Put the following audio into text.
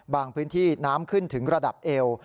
พื้นที่น้ำขึ้นถึงระดับเอว